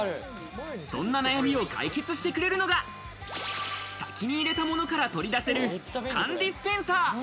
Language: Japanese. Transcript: そんな悩みを解決してくれるのが先に入れたものから取り出せる、カンディスペンサー。